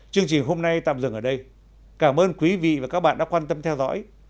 chương trình hôm nay tạm dừng ở đây cảm ơn quý vị và các bạn đã quan tâm theo dõi